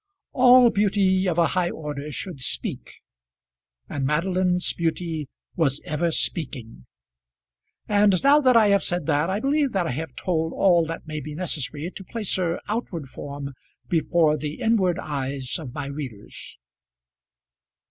All beauty of a high order should speak, and Madeline's beauty was ever speaking. And now that I have said that, I believe that I have told all that may be necessary to place her outward form before the inward eyes of my readers.